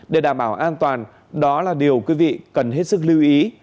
để đảm bảo an toàn đó là điều quý vị cần hết sức lưu ý